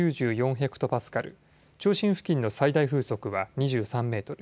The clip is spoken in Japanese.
ヘクトパスカル中心付近の最大風速は２３メートル。